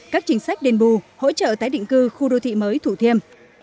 các chính sách đền bù hỗ trợ tái định cư khu đô thị mới thủ thiêm